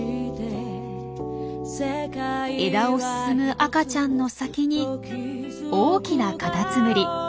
枝を進む赤ちゃんの先に大きなカタツムリ。